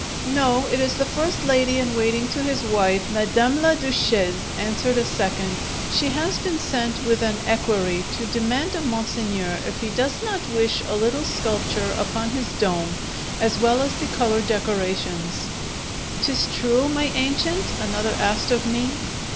"No. It is the first lady in waiting to his wife, Madame la Duchesse," answered a second. "She has been sent with an equerry to demand of monseigneur if he does not wish a little sculpture upon his dome as well as the colour decorations!" "'Tis true, my ancient?" another asked of me.